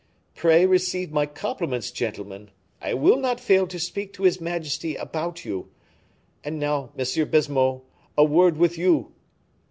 Pray receive my compliments, gentlemen. I will not fail to speak to his majesty about you. And now, M. Baisemeaux, a word with you."